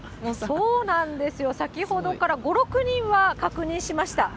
そうなんですよ、先ほどから５、６人は確認しました。